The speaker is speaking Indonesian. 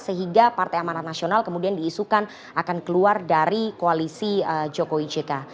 sehingga partai amanat nasional kemudian diisukan akan keluar dari koalisi jokowi jk